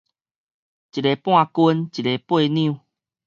一个半斤，一个八兩